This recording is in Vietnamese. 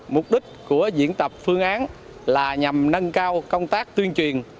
mục đích của diễn tập phương án là nhằm nâng cao công tác tuyên truyền